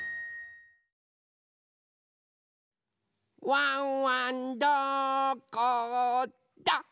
ワンワンどこだ？